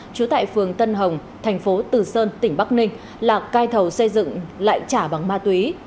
trú tại phường tân hồng thành phố từ sơn tỉnh bắc ninh là cai thầu xây dựng lại trả bằng ma túy